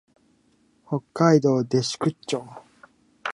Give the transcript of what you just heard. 北海道弟子屈町